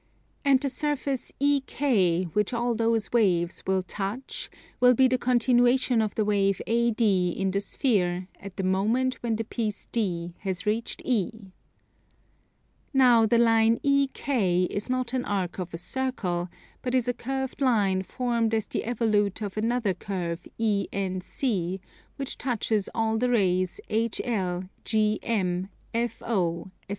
And the surface EK which all those waves will touch, will be the continuation of the wave AD in the sphere at the moment when the piece D has reached E. Now the line EK is not an arc of a circle, but is a curved line formed as the evolute of another curve ENC, which touches all the rays HL, GM, FO, etc.